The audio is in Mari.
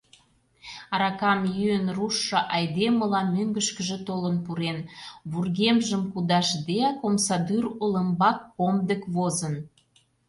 Аракам йӱын руштшо айдемыла мӧҥгышкыжӧ толын пурен, вургемжым кудашдеак, омсадӱр олымбак комдык возын.